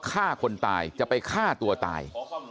ฆ่าคนตายจะไปฆ่าตัวตาย